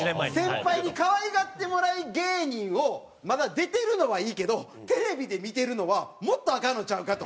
先輩に可愛がってもらえない芸人をまだ出てるのはいいけどテレビで見てるのはもっとアカンのちゃうかと。